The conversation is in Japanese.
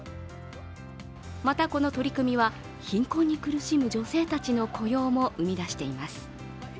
また、この取り組みは貧困に取り組む女性たちの雇用も生み出しています。